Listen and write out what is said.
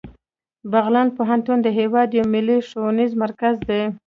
بغلان پوهنتون د هیواد یو ملي ښوونیز مرکز دی